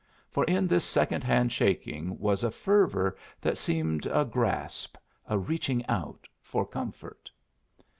For in this second hand shaking was a fervor that seemed a grasp, a reaching out, for comfort.